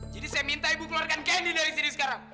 jadi saya minta ibu keluarkan candy dari sini sekarang